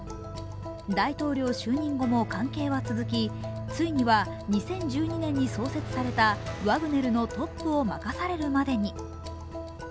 大統領就任後も関係は続き、ついには２０１２年に創設されたワグネルのトップを任されるまでに。